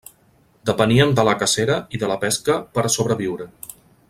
Depenien de la cacera i de la pesca per a sobreviure.